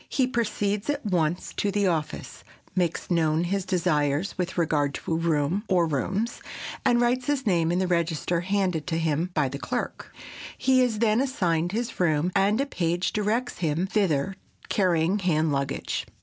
He proceeds at once to the office, makes known his desires with regard to a room or rooms, and writes his name in the register handed to him by the clerk. He is then assigned to his room, and a page directs him thither, carrying hand luggage.